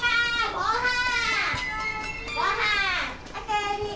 ごはん！